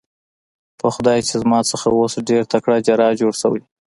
په خدای چې زما څخه اوس ډېر تکړه جراح جوړ شوی.